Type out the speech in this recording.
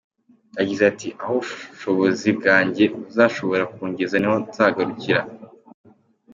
Yagize ati: “Aho ubushobozi bwanjye buzashobora kungeza niho nzagarukira.